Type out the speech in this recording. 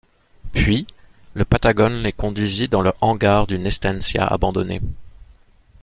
Puis, le Patagon les conduisit dans le hangar d’une estancia abandonnée.